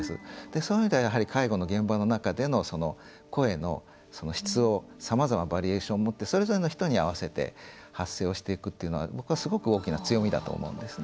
そういうのは、やはり介護の現場の中での声の質をさまざまバリエーションをもってそれぞれの人に合わせて発声をしていくというのは僕はすごく大きな強みだと思うんですね。